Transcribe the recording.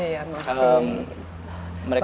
ya ya masih